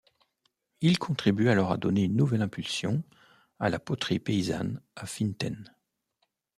Il contribue alors à donner une nouvelle impulsion à la poterie paysanne à Finthen.